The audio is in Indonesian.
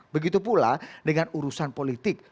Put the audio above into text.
begitu pula dengan urusan politik